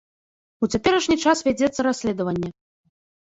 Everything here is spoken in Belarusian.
У цяперашні час вядзецца расследаванне.